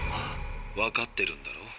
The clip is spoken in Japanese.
わかってるんだろ？